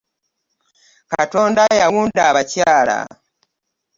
Katonda yawunda abakyala.